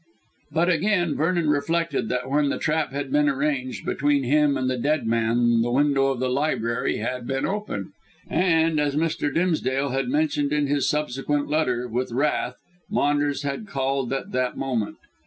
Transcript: But again Vernon reflected that when the trap had been arranged between him and the dead man the window of the library had been open, and, as Mr. Dimsdale had mentioned in his subsequent letter, with wrath, Maunders had called at the moment.